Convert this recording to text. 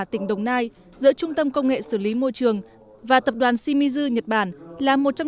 tỉnh đồng nai giữa trung tâm công nghệ xử lý môi trường và tập đoàn shimizu nhật bản là một trong